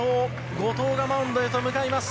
後藤がマウンドへと向かいます。